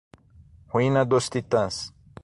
Ruína dos titãs